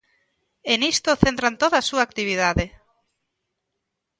E nisto centran toda a súa actividade.